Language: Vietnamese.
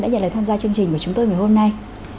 đã nhận lời tham gia chương trình của chúng tôi ngày hôm nay